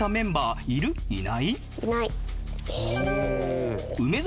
いない。